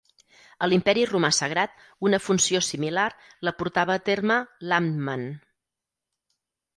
A l'Imperi Romà Sagrat una funció similar la portava a terme l'"Amtmann".